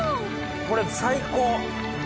これ最高。